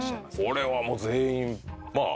これは全員まあ。